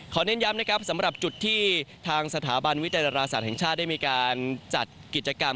เน้นย้ำนะครับสำหรับจุดที่ทางสถาบันวิจัยดาราศาสตร์แห่งชาติได้มีการจัดกิจกรรม